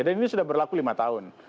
dan ini sudah berlaku lima tahun